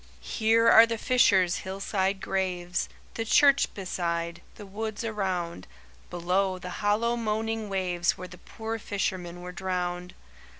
"'Here are the fishers' hillside graves, The church beside, the woods around, Below, the hollow moaning waves Where the poor fishermen were drowned.